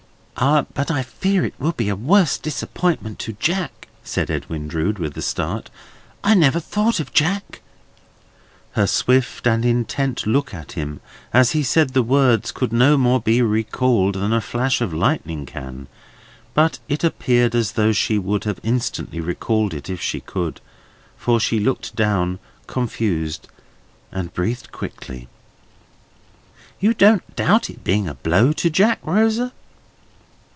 "Ah! but I fear it will be a worse disappointment to Jack," said Edwin Drood, with a start. "I never thought of Jack!" Her swift and intent look at him as he said the words could no more be recalled than a flash of lightning can. But it appeared as though she would have instantly recalled it, if she could; for she looked down, confused, and breathed quickly. "You don't doubt its being a blow to Jack, Rosa?"